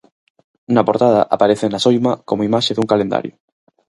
Na portada aparecen as Oima como imaxe dun calendario.